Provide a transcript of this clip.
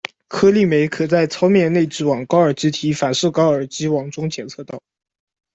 颗粒酶可在糙面内质网、高尔基体、反式高尔基网中检测到。